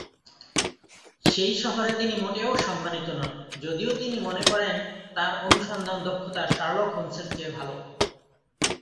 সেই শহরে তিনি মোটেও সম্মানিত নন, যদিও তিনি মনে করেন তার অনুসন্ধান দক্ষতা শার্লক হোমসের চেয়ে ভাল।